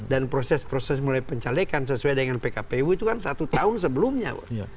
dan proses proses mulai pencahlekan sesuai dengan pkpu itu kan satu tahun sebelumnya